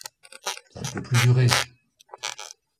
Ça ne peut plus durer...